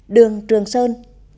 đường trường sơn